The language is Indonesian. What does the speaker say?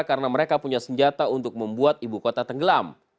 karena mereka punya senjata untuk membuat ibu kota tenggelam